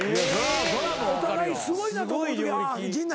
お互いすごいなと思うとき陣内